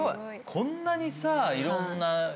こんなにいろんな映像。